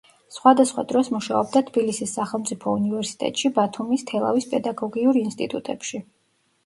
სხვადასხვა დროს მუშაობდა თბილისის სახელმწიფო უნივერსიტეტში, ბათუმის, თელავის პედაგოგიურ ინსტიტუტებში.